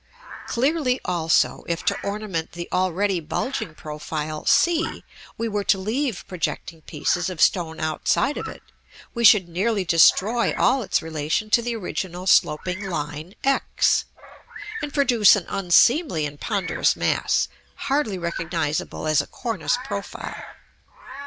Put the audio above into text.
Clearly, also, if to ornament the already bulging profile c we were to leave projecting pieces of stone outside of it, we should nearly destroy all its relation to the original sloping line X, and produce an unseemly and ponderous mass, hardly recognizable as a cornice profile.